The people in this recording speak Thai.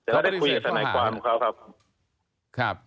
แต่เขาได้คุยกับทนายความเขาครับ